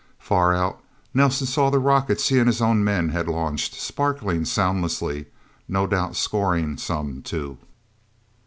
Far out, Nelsen saw the rockets he and his own men had launched, sparkling soundlessly, no doubt scoring, some, too.